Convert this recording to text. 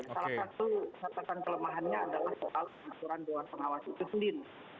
salah satu catatan kelemahannya adalah soal pengaturan dewan pengawas itu sendiri